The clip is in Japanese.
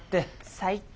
最低！